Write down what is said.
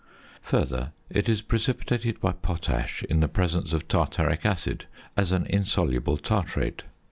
Further, it is precipitated by potash in the presence of tartaric acid as an insoluble tartrate.